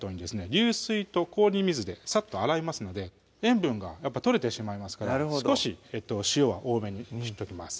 流水と氷水でさっと洗いますので塩分が取れてしまいますから少し塩は多めにしときます